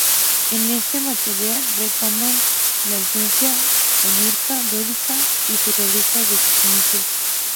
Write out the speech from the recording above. En este material retoman la esencia onírica, lúdica y surrealista de sus inicios.